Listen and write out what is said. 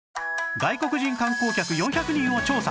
外国人観光客４００人を調査